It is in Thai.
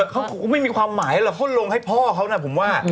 เขาก็ไม่มีความหมายหรอกเขาลงให้พ่อเขานะผมว่า